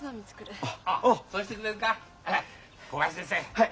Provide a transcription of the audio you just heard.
はい。